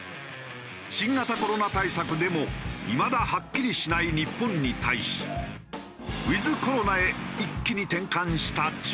新型コロナ対策でもいまだはっきりしない日本に対しウィズコロナへ一気に転換した中国。